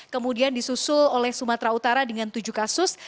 kemudian disusul oleh sumatera utara dengan tujuh kasus